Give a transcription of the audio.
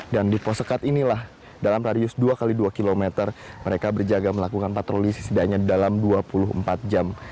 dan di pos sekat inilah dalam radius dua x dua km mereka berjaga melakukan patroli setidaknya dalam dua puluh empat jam